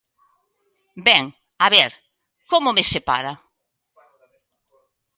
Ben, a ver, ¿como me separa?